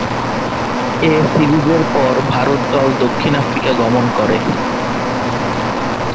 এ সিরিজের পর ভারত দল দক্ষিণ আফ্রিকা গমন করে।